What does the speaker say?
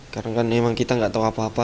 karena kan memang kita nggak tahu apa apa